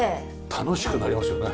楽しくなりますよね。